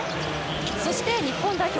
そして、日本代表